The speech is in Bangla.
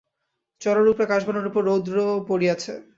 চড়ার উপরে কাশবনের উপরে রৌদ্র পড়িয়াছে।